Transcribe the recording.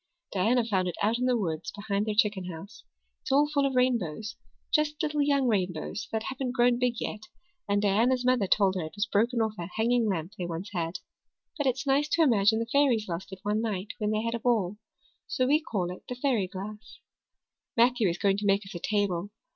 Diana found it out in the woods behind their chicken house. It's all full of rainbows just little young rainbows that haven't grown big yet and Diana's mother told her it was broken off a hanging lamp they once had. But it's nice to imagine the fairies lost it one night when they had a ball, so we call it the fairy glass. Matthew is going to make us a table.